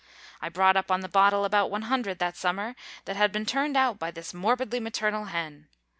I brought up on the bottle about one hundred that summer that had been turned out by this morbidly maternal hen.